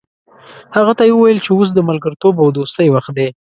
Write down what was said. هغه ته یې وویل چې اوس د ملګرتوب او دوستۍ وخت دی.